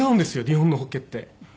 日本のホッケって。